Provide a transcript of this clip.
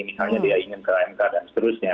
misalnya dia ingin ke mk dan seterusnya